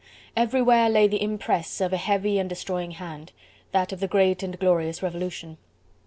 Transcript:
Everywhere lay the impress of a heavy and destroying hand: that of the great and glorious Revolution.